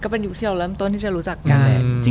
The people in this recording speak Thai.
เป็นยุคที่เราเริ่มต้นที่จะรู้จักกัน